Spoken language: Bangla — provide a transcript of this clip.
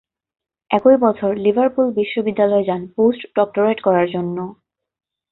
একই বছর লিভারপুল বিশ্ববিদ্যালয়ে যান পোস্ট-ডক্টরেট করার জন্য।